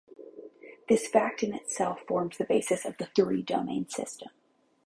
This fact in itself forms the basis of the three-domain system.